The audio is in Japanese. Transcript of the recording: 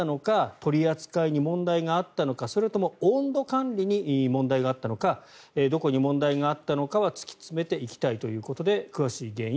取り扱いに問題があったのかそれとも温度管理に問題があったのかどこに問題があったのかは突き詰めていきたいということで詳しい原因